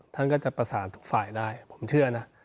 ท่านก็จะประสานทุกฝ่ายได้ผมเชื่อนะ